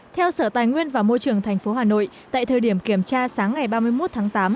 theo sở tài nguyên và môi trường tp hà nội tại thời điểm kiểm tra sáng ngày ba mươi một tháng tám